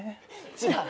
違う。